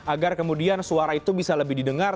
agar kemudian suara itu bisa lebih didengar